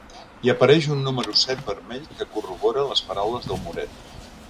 Hi apareix un número set vermell que corrobora les paraules del moret.